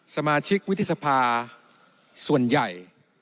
สมาชิกวุฒิสภาส่วนใหญ่